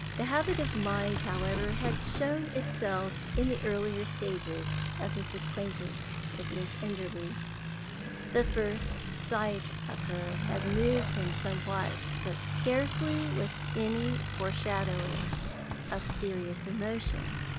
The habit of mind, however, had shown itself in the earlier stages of his acquaintance with Miss Enderby. The first sight of her had moved him somewhat, but scarcely with any foreshadowing of serious emotion.